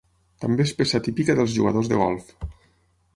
També és peça típica dels jugadors de golf.